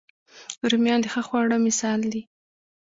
رومیان د ښه خواړه مثال دي